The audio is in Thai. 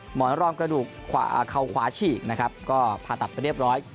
หมอนร่องกระดูกเขาขวาฉีกนะครับ